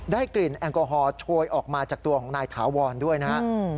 กลิ่นแอลกอฮอลโชยออกมาจากตัวของนายถาวรด้วยนะครับ